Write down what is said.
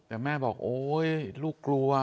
แต่แม่บอกโอ๊ยลูกกลัว